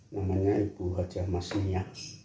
namanya ibu hajah mas mia